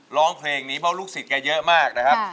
ร้องเพลงนี้เพราะลูกศิษย์แกเยอะมากนะครับ